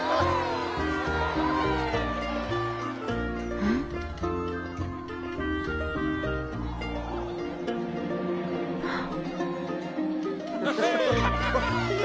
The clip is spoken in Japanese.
うん？あっ。